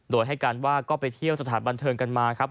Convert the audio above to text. โดยให้การว่าก็ไปเที่ยวสถานบันเทิงกันมาครับ